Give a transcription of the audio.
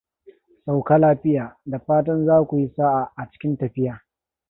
Sauka lafiya! Da fatan za ku yi sa'a a cikin tafiya.